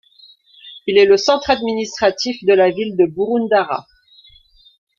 Il est le centre administratif de la Ville de Boroondara.